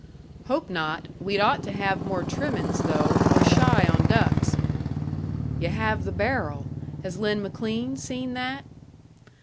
"Hope not. We'd ought to have more trimmings, though. We're shy on ducks." "Yu' have the barrel. Has Lin McLean seen that?"